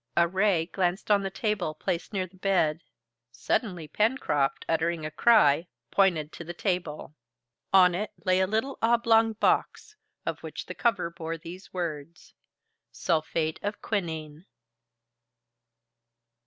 A ray glanced on the table placed near the bed. Suddenly Pencroft, uttering a cry, pointed to the table. On it lay a little oblong box, of which the cover bore these words: "SULPHATE OF QUININE."